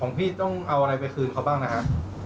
พี่ต้องเอาอะไรไปคืนเขาบ้างนะฮะ